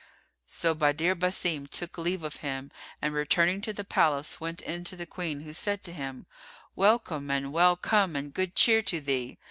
So Badr Basim took leave of him and returning to the palace, went in to the Queen, who said to him, "Welcome and well come and good cheer to thee!"